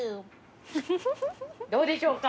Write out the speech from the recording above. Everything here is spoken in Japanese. どうでしょうか。